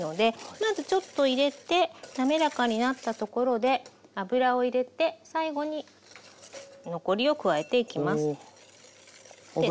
まずちょっと入れてなめらかになったところで油を入れて最後に残りを加えていきます。